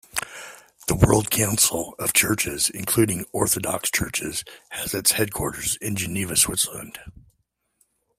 The World Council of Churches, including Orthodox Churches, has its headquarters in Geneva, Switzerland.